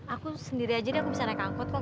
aku sendiri aja deh aku bisa naik angkut kok